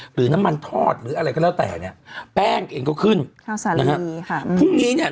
หรือน้ำมันทอดหรืออะไรก็แล้วแต่เนี้ยแป้งเองก็ขึ้นข้าวสารนะฮะดีค่ะพรุ่งนี้เนี่ย